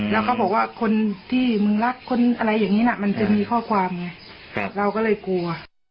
แล้วเขาบอกว่าคนที่มึงรักคนอะไรอย่างนี้น่ะมันจะมีข้อความไงเราก็เลยกลัว